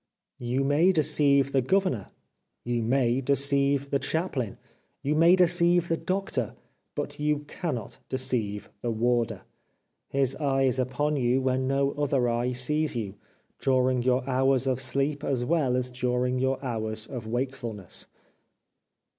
You may deceive the governor, you may deceive the chaplain, you may deceive the doctor, but you cannot deceive the warder. His eye is upon you when no other eye sees you, during your hours of sleep as well as during your hours of wakefulness.